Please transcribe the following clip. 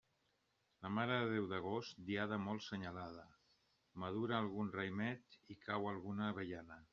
La Mare de Déu d'agost, diada molt senyalada; madura algun raïmet i cau alguna avellana.